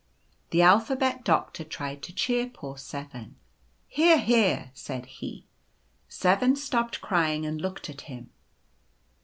u The Alphabet Doctor tried to cheer poor 7. " c Hear, hear !' said he. " 7 stopped crying and looked at him.